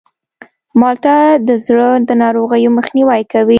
مالټه د زړه د ناروغیو مخنیوی کوي.